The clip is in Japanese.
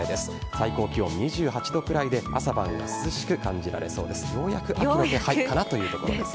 最高気温、２８度ぐらいで朝晩は涼しく感じられそうです。